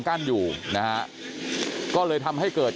คุณภูริพัฒน์บุญนิน